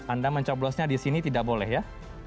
anda mencoblosnya di sini tidak boleh ya